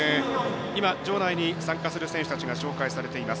場内に参加する選手たちが紹介されています。